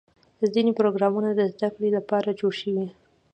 ځینې پروګرامونه د زدهکړې لپاره جوړ شوي.